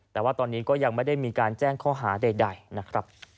แต่ว่าตอนนี้ก็ยังไม่ได้มีการแจ้งข้อหาใดนะครับ